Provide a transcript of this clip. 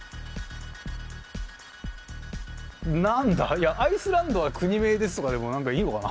いやアイスランドは国名ですとかでも何かいいのかな。